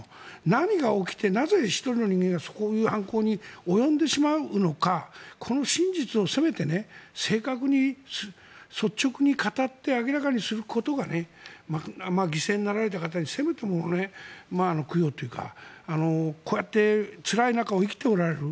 何が起きて、なぜ１人の人間がこういう犯行に及んでしまうのかこの真実を、せめて正確に率直に語って明らかにすることが犠牲になられた方にせめてもの供養というかこうやってつらい中を生きておられる。